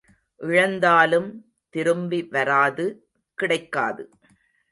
இழந்தாலும் திரும்பி வராது கிடைக்காது.